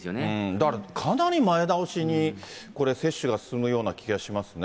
だからかなり前倒しに、これ、接種が進むような気がしますね。